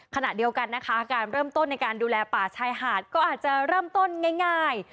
ขณะเดียวกันนะคะการเริ่มต้นในการดูแลป่าชายหาดก็อาจจะเริ่มต้นง่าย